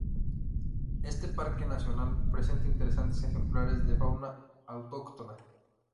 Este parque nacional presenta interesantes ejemplares de fauna autóctona.